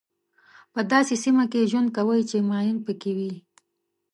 په داسې سیمه کې ژوند کوئ چې ماین پکې وي.